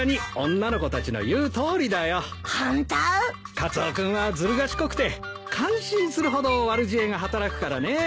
カツオ君はずる賢くて感心するほど悪知恵が働くからねえ。